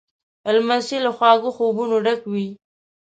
لمسی له خواږه خوبونو ډک وي.